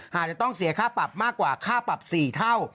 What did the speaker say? หากจะต้องเสียค่าปรับมากกว่าค่าปรับ๔เท่า